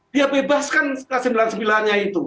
dia bebaskan sebuah sembilan sembilan nya itu